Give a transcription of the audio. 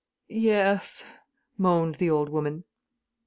"Yes," moaned the old woman.